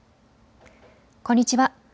こんにちは。